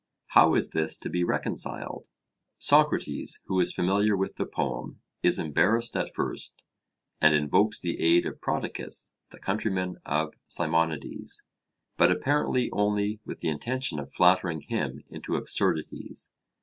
How is this to be reconciled? Socrates, who is familiar with the poem, is embarrassed at first, and invokes the aid of Prodicus, the countryman of Simonides, but apparently only with the intention of flattering him into absurdities.